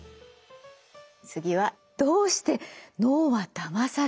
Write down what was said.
次はどうして脳はだまされるのか？